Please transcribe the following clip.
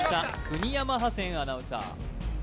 国山ハセンアナウンサー